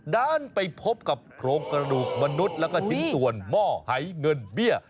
ด้านไปพบกับโครงกระดูกมนุษย์แล้วก็ชิ้นส่วนหม้อหายเงินเบี้ย